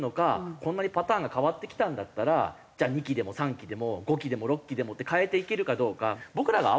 こんなにパターンが変わってきたんだったらじゃあニ季でも三季でも五季でも六季でもって変えていけるかどうか僕らが合わせて変えていくしか。